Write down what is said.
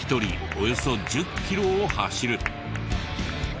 およそ１０キロを走る。